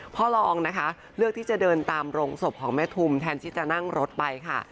พ่อรองนะคะเลือกที่จะเดินตามโรงศพของแม่ทุมแทนที่จะนั่งรถไปค่ะ